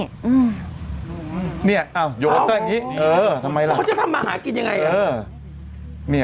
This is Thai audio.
ตัวนี้เอาโยนตัวงี้เออทำไมล่ะท่านจะทำมาหากินยังไงเออเนี่ย